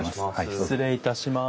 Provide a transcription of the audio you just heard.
失礼いたします。